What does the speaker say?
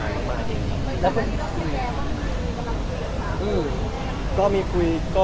แล้วก็คุย